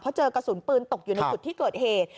เพราะเจอกระสุนปืนตกอยู่ในจุดที่เกิดเหตุ